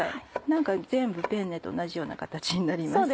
何か全部ペンネと同じような形になります。